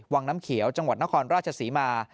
วังน้ำเขียวจังหวัดนครราชศรีมา